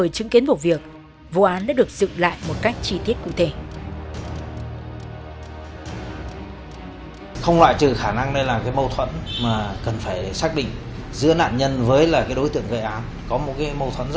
trong khi nhiều người khách trong quán internet đã kịp hiểu điều gì xảy ra